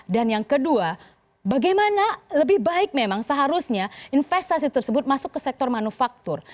dan yang kedua bagaimana lebih baik memang seharusnya investasi tersebut masuk ke sektor manufaktur